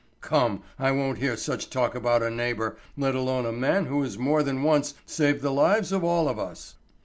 "Come, I won't hear such talk about a neighbor, let alone a man who has more than once saved the lives of all of us.